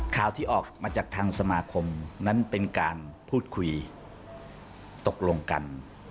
ข่าวที่ออกมาจากทางสมาคมนั้นเป็นการพูดคุยตกลงกัน